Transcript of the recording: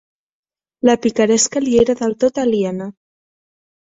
La picaresca li era del tot aliena.